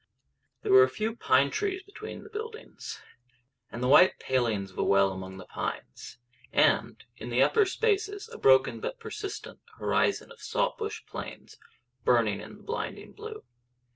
There were a few pine trees between the buildings, and the white palings of a well among the pines, and in the upper spaces a broken but persistent horizon of salt bush plains burning into the blinding blue.